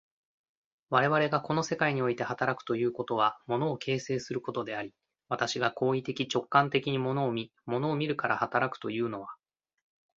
我々がこの世界において働くということは、物を形成することであり、私が行為的直観的に物を見、物を見るから働くというのは、